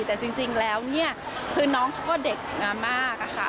แต่จริงแล้วน้องเขาก็เด็กมากโอ่ะค่ะ